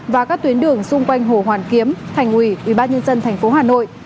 và các tuyến đường xung quanh hồ hoàn kiếm thành ủy ubnd tp hà nội